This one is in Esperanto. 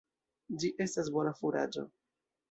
Ĝi estas bona furaĝo.